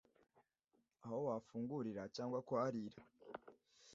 Aho wafungurira cyangwa kuharira